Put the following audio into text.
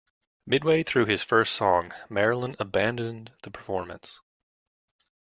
Midway through his first song, Marilyn abandoned the performance.